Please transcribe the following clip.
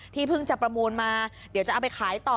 เพิ่งจะประมูลมาเดี๋ยวจะเอาไปขายต่อ